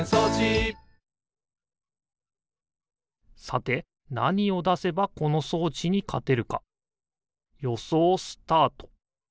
さてなにをだせばこのそうちにかてるかよそうスタート！